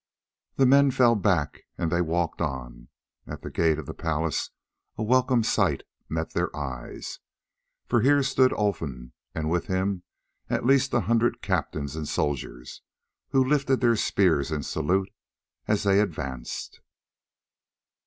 The men fell back and they walked on. At the gate of the palace a welcome sight met their eyes, for here stood Olfan, and with him at least a hundred captains and soldiers, who lifted their spears in salute as they advanced.